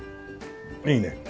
いいね。